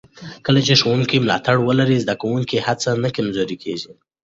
کله چې ښوونکي ملاتړ ولري، د زده کوونکو هڅې نه کمزورې کېږي.